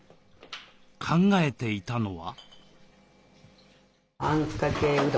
考えていたのは。